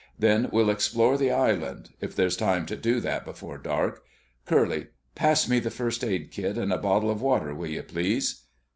Then we'll explore the island, if there's time to do that before dark.... Curly, pass me the first aid kit and a bottle of water, will you, please?"